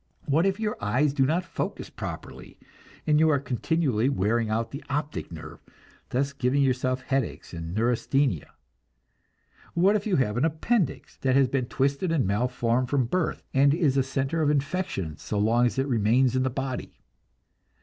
What if your eyes do not focus properly, and you are continually wearing out the optic nerve, thus giving yourself headaches and neurasthenia? What if you have an appendix that has been twisted and malformed from birth, and is a center of infection so long as it remains in the body?